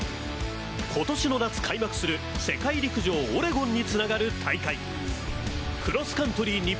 今年の夏、開幕する世界陸上オレゴンにつながる大会クロスカントリー